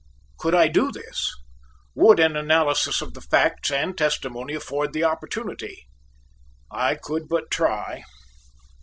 Could I do this? Would an analysis of the facts and testimony afford the opportunity? I could but try.